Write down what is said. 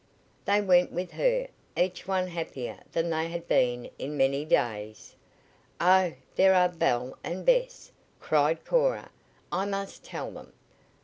They went with her, each one happier than they had been in many days. "Oh! There are Belle and Bess!" cried Cora. "I must tell them."